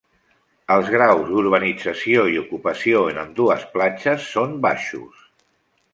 Els graus d'urbanització i ocupació en ambdues platges són baixos.